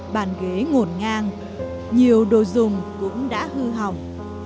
bàn ghế ngổn ngang nhiều đồ dùng cũng đã hư hỏng